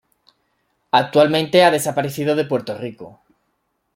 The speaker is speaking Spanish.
Actualmente ha desaparecido de Puerto Rico.